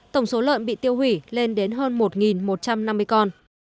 tổng số lợn bị tiêu hủy lên đến hơn một một trăm năm mươi con